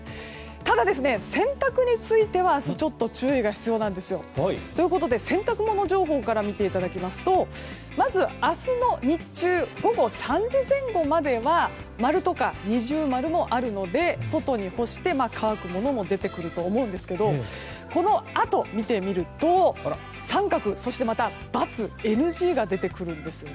ただ、洗濯については明日、注意が必要です。ということで、洗濯物情報から見ていただきますとまず明日の日中午後３時前後までは丸とか二重丸もあるので外に干して乾くものも出てくると思いますがこのあと、見てみると三角、バツ、ＮＧが出てきます。